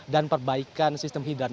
dan perbaikan sistem hidran